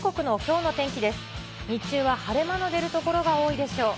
日中は晴れ間の出る所が多いでしょう。